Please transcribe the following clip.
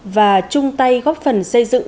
và chung tay góp phần xây dựng